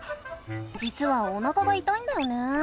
じつはおなかがいたいんだよね。